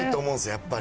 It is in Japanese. やっぱり。